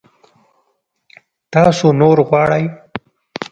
تاسو نور غواړئ؟